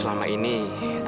danannya juga setuju wi